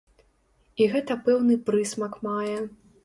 І гэта пэўны прысмак мае.